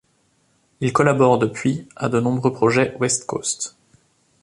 Il collabore depuis à de nombreux projets West Coast.